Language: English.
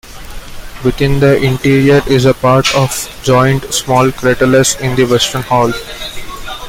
Within the interior is a pair of joined small craterlets in the western half.